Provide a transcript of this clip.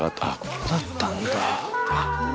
ここだったんだ。